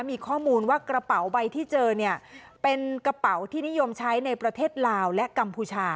มีข้อมูลว่ากระเป๋าใบที่เจอเนี่ยเป็นกระเป๋าที่นิยมใช้ในประเทศลาวและกัมพูชา